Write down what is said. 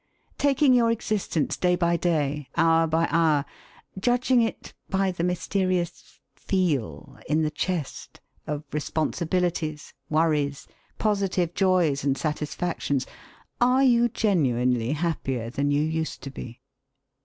Taking your existence day by day, hour by hour, judging it by the mysterious feel (in the chest) of responsibilities, worries, positive joys and satisfactions, are you genuinely happier than you used to be?